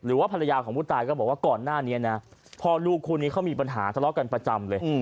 หรือว่าภรรยาของผู้ตายก็บอกว่าก่อนหน้านี้นะพ่อลูกคู่นี้เขามีปัญหาทะเลาะกันประจำเลย